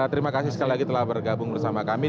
terima kasih sekali lagi telah bergabung bersama kami